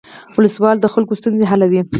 ولسوال د خلکو ستونزې حلوي